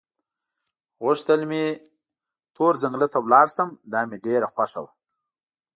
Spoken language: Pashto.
غوښتل مې تور ځنګله ته ولاړ شم، دا مې ډېره خوښه وه.